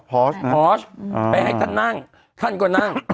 พอชไปให้ท่านนั่งท่านก็นั่ง